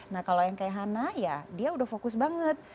nah kalau yang kayak hana ya dia udah fokus banget